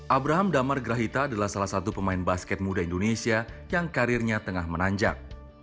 abraham damar grahita adalah salah satu pemain basket muda indonesia yang karirnya tengah menanjak